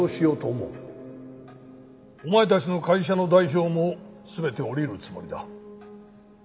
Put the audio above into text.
お前たちの会社の代表も全て降りるつもりだ。